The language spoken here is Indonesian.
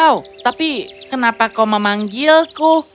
oh tapi kenapa kau memanggilku